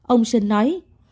ông sinh nói